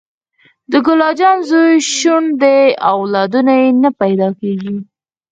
د ګل اجان زوی شنډ دې اولادونه یي نه پیداکیږي